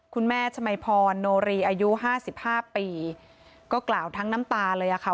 คุณแม่ชมัยพรโนรีอายุห้าสิบห้าปีก็กล่าวทั้งน้ำตาเลยอะค่ะ